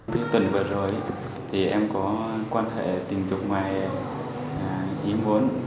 từ tuần vừa rồi thì em có quan hệ tình dục ngoài em